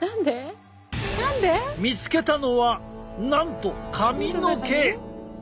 見つけたのはなんと髪の毛！